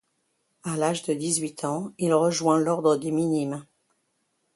À l'âge de dix-huit ans, il rejoint l'ordre des Minimes.